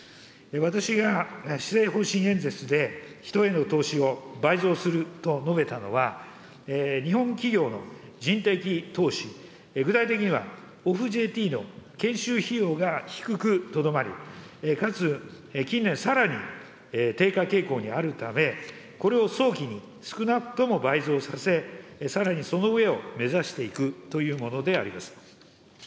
私が施政方針演説で、人への投資を倍増すると述べたのは、日本企業の人的投資、具体的には、オフＪＴの研修費用が低くとどまり、かつ近年さらに低下傾向にあるため、これを早期に少なくとも倍増させ、さらにその上を目指していくというものであります。